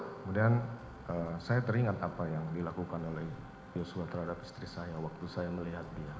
kemudian saya teringat apa yang dilakukan oleh yosua terhadap istri saya waktu saya melihat dia